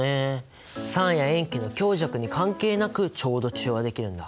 酸や塩基の強弱に関係なくちょうど中和できるんだ。